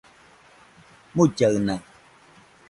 mullaɨna